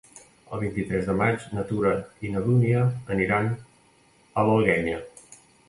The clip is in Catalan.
El vint-i-tres de maig na Tura i na Dúnia aniran a l'Alguenya.